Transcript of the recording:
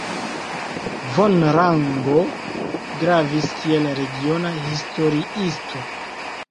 Von Rango gravis kiel regiona historiisto.